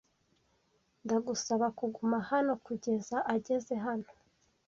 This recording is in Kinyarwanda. Ndagusaba kuguma hano kugeza ageze hano.